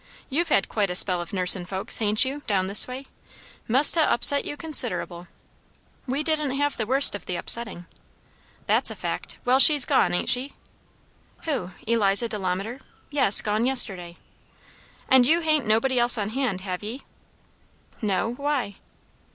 You've had quite a spell o' nursin' folks, hain't you, down this way? Must ha' upset you quite considerable." "We didn't have the worst of the upsetting." "That's a fact. Well, she's gone, ain't she?" "Who, Eliza Delamater? Yes; gone yesterday." "And you hain't nobody else on hand, have ye?" "No. Why?"